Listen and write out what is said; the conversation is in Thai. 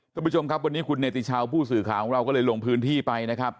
คุณผู้ชมครับวันนี้คุณเนติชาวผู้สื่อข่าวของเราก็เลยลงพื้นที่ไปนะครับ